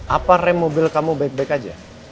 apa rem mobil kamu baik baik aja